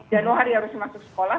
dan hari harus masuk sekolah